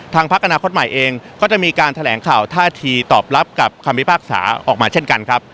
พักอนาคตใหม่เองก็จะมีการแถลงข่าวท่าทีตอบรับกับคำพิพากษาออกมาเช่นกันครับ